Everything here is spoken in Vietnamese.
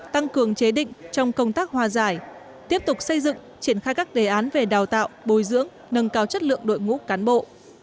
tăng cường chế định trong công tác hòa giải tiếp tục xây dựng triển khai các đề án về đào tạo bồi dưỡng nâng cao chất lượng đội ngũ cán bộ